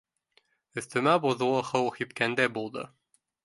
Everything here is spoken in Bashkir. Өҫтөмә боҙло һыу һипкәндәй булды!